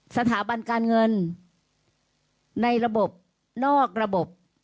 สถาบันการเงินในระบบนอกระบบ